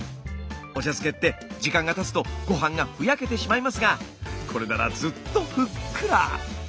お茶漬けって時間がたつとごはんがふやけてしまいますがこれならずっとふっくら！